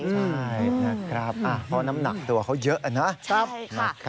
ใช่นะครับพอน้ำหนักตัวเขาเยอะนะใช่ค่ะ